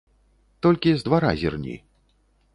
Толькі з двара зірні.